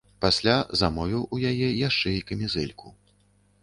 Пасля замовіў у яе яшчэ і камізэльку.